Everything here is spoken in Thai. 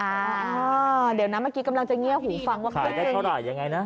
เดี๋ยวนะเมื่อกี้กำลังจะเงียบหูฟังว่าขายได้เท่าไหร่ยังไงนะ